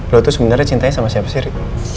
lo tuh sebenernya cintain sama siapa sih ri